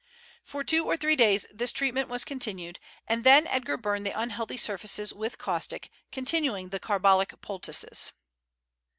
For two or three days this treatment was continued, and then Edgar burned the unhealthy surfaces with caustic, continuing the carbolic poultices.